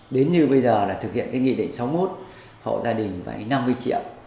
đến như bây giờ là thực hiện nghị định sáu mươi một hộ gia đình năm mươi triệu